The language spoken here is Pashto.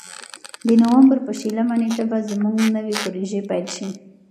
د نوامبر په شلمه نېټه به زموږ نوې پروژې پیل شي.